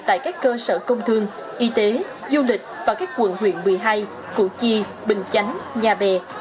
tại các cơ sở công thương y tế du lịch và các quận huyện một mươi hai củ chi bình chánh nhà bè